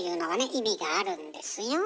意味があるんですよ。